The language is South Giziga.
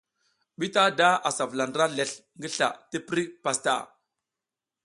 Bitada asa vula ndra lezl ngi sla tiprik pastaʼa.